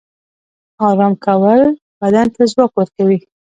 آرام کول بدن ته ځواک ورکوي